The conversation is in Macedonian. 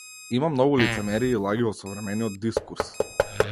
Има многу лицемерие и лаги во современиот дискурс.